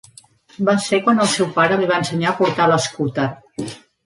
Va ser quan el seu pare li va ensenyar a portar l'escúter.